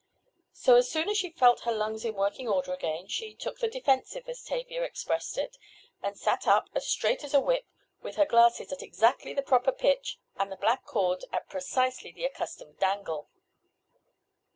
So, as soon as she felt her lungs in working order again she "took the defensive" as Tavia expressed it, and sat up as "straight as a whip," with her glasses at exactly the proper pitch and the black cord at precisely the accustomed dangle.